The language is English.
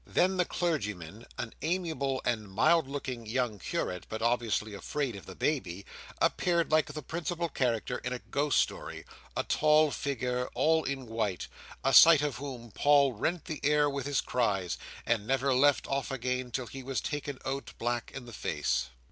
Then the clergyman, an amiable and mild looking young curate, but obviously afraid of the baby, appeared like the principal character in a ghost story, "a tall figure all in white;" at sight of whom Paul rent the air with his cries, and never left off again till he was taken out black in the face.